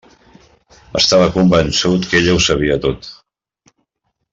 Estava convençut que ella ho sabia tot.